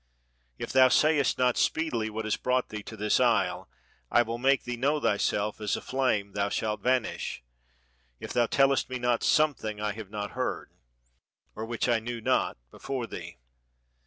If thou sayest not speedily what has brought thee to this isle, I will make thee know thyself; as a flame thou shalt vanish, if thou tellest me not some thing I have not heard, or which I knew not, before thee.'